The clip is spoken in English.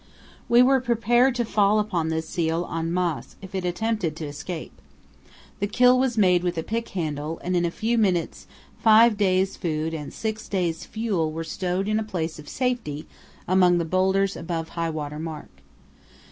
We were prepared to fall upon this seal en masse if it attempted to escape. The kill was made with a pick handle, and in a few minutes five days' food and six days' fuel were stowed in a place of safety among the boulders above high water mark.